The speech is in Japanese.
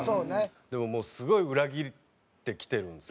でももうすごい裏切ってきてるんですよ。